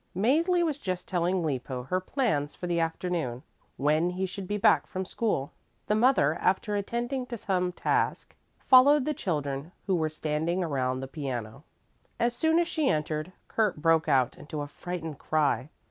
Mäzli was just telling Lippo her plans for the afternoon when he should be back from school. The mother, after attending to some task, followed the children, who were standing around the piano. As soon as she entered, Kurt broke out into a frightened cry.